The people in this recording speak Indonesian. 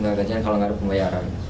gak ada gajian kalau gak ada pembayaran